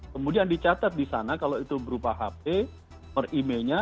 kemudian dicatat di sana kalau itu berupa handphone per imei nya